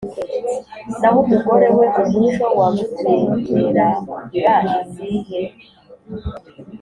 Naho umugore we umuco wamugeneraga izihe?